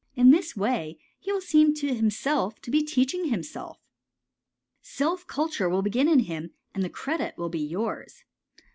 In this way he will seem to himself to be teaching himself. Self culture will begin in him and the credit will be yours.